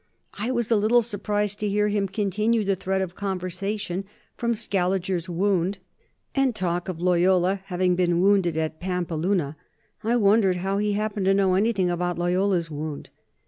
I was a little surprised to hear him continue the thread of conversation, from Scaliger's wound, and talk of Loyola having been wounded at Pampeluna. I wondered how he happened to know anything about Loyola's wound.